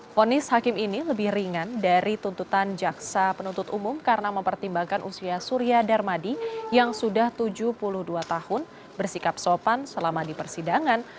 fonis hakim ini lebih ringan dari tuntutan jaksa penuntut umum karena mempertimbangkan usia surya darmadi yang sudah tujuh puluh dua tahun bersikap sopan selama di persidangan